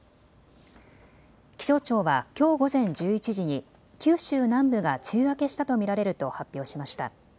気象庁はきょう午前１１時に九州南部が梅雨明けしたと見られると発表しました。